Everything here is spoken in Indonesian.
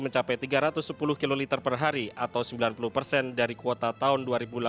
mencapai tiga ratus sepuluh kiloliter per hari atau sembilan puluh persen dari kuota tahun dua ribu delapan belas